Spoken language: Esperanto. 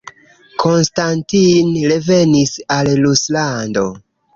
Konstantin revenis al Ruslando.